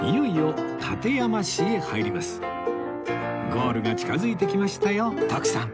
ゴールが近づいてきましたよ徳さん